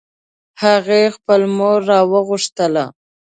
هغې خپل مور راوغوښتله